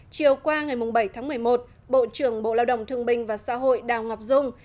chiều qua ngày bảy tháng một mươi một bộ trưởng bộ lao động thương binh và xã hội đào ngọc dung